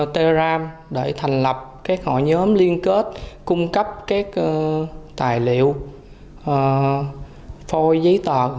telegram để thành lập các hội nhóm liên kết cung cấp các tài liệu phôi giấy tờ theo yêu cầu